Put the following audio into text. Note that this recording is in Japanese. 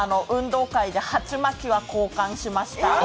運動会で鉢巻きは交換しました。